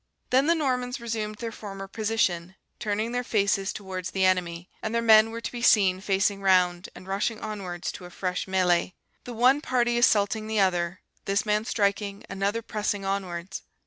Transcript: Then the Normans resumed their former position, turning their faces towards the enemy; and their men were to be seen facing round and rushing onwards to a fresh MELEE; the one party assaulting the other; this man striking, another pressing onwards.